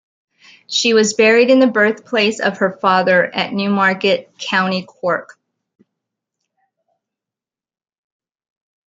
She was buried in the birthplace of her father at Newmarket, County Cork.